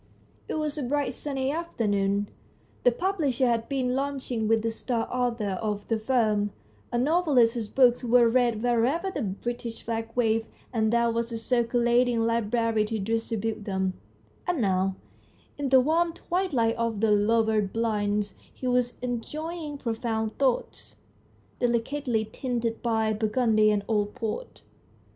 It was a bright, sunny afternoon ; the publisher had been lunching with the star author of the firm, a novelist whose books were read wherever the British flag waved and there was a circulating library to distribute them, and now, in the warm twilight of the lowered 10 130 THE STORY OF A BOOK blinds he was enjoying profound thoughts, delicately tinted by burgundy and old port.